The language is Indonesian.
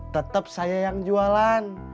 tetap saya yang jualan